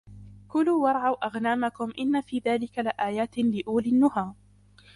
كُلُوا وَارْعَوْا أَنْعَامَكُمْ إِنَّ فِي ذَلِكَ لَآيَاتٍ لِأُولِي النُّهَى